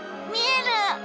見える！